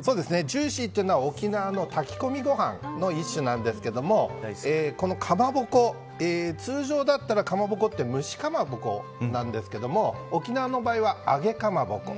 ジューシーというのは沖縄の炊き込みご飯の一種なんですがこのかまぼこ、通常だったらかまぼこって蒸しかまぼこなんですけど沖縄の場合は揚げかまぼこ。